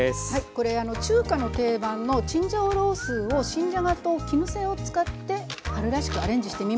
これ中華の定番のチンジャオロースーを新じゃがと絹さやを使って春らしくアレンジしてみました。